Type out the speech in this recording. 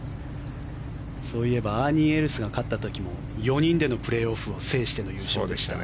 そういえばアーニー・エルスが勝った時も４人でのプレーオフを制しての優勝でした。